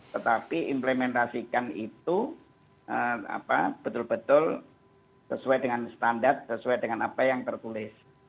tetapi implementasikan itu betul betul sesuai dengan standar sesuai dengan apa yang tertulis